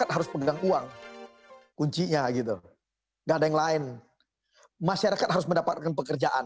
harus pegang uang kuncinya gitu enggak ada yang lain masyarakat harus mendapatkan pekerjaan